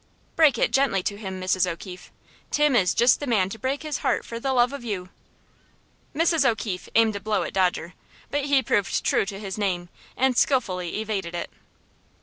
"Break it gently to him, Mrs. O'Keefe. Tim is just the man to break his heart for love of you." Mrs. O'Keefe aimed a blow at Dodger, but he proved true to his name, and skillfully evaded it.